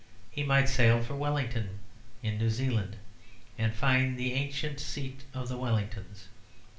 He might sail for Wellington in New Zealand to find the ancient seat of the Wellingtons.